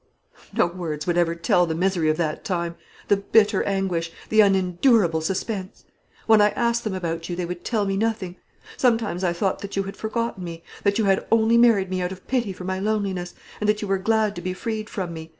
"No words would ever tell the misery of that time; the bitter anguish; the unendurable suspense. When I asked them about you, they would tell me nothing. Sometimes I thought that you had forgotten me; that you had only married me out of pity for my loneliness; and that you were glad to be freed from me.